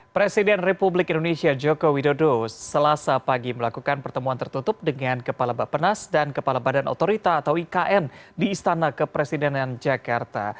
presiden republik indonesia joko widodo selasa pagi melakukan pertemuan tertutup dengan kepala bapenas dan kepala badan otorita atau ikn di istana kepresidenan jakarta